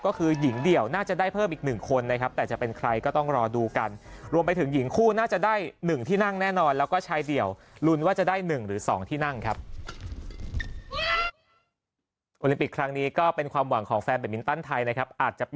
ก็คือหญิงเดี่ยวน่าจะได้เพิ่มอีก๑คนนะครับ